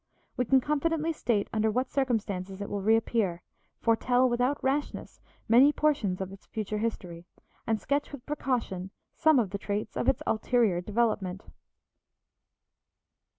We can confidently state under what circumstances it will reappear, foretell without rashness many portions of its future history, and sketch with precaution some of the traits of its ulterior development.